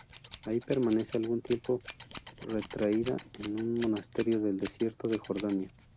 Ahí permanece algún tiempo retraída en un monasterio del desierto de Jordania.